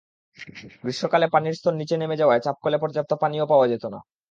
গ্রীষ্মকালে পানির স্তর নিচে নেমে যাওয়ায় চাপকলে পর্যাপ্ত পানিও পাওয়া যেত না।